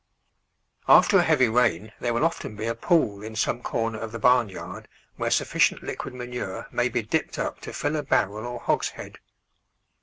After a heavy rain there will often be a pool in some corner of the barn yard where sufficient liquid manure may be dipped up to fill a barrel or hogshead.